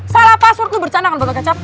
salah password lu bercanda kan boto kecap